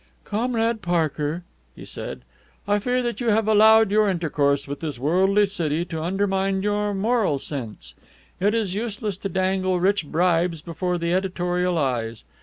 "Comrade Parker," he said, "I fear that you have allowed your intercourse with this worldly city to undermine your moral sense. It is useless to dangle rich bribes before the editorial eyes.